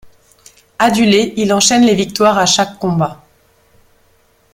Adulé, il enchaine les victoires à chaque combat.